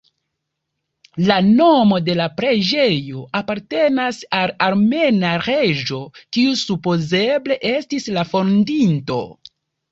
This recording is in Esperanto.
La nomo de la preĝejo apartenas al armena reĝo kiu supozeble estis la fondinto.